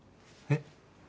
えっ？